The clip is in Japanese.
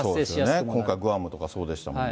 そうですね、今回、グアムとかそうでしたもんね。